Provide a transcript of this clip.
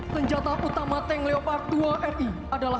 dengan kemampuan terhadap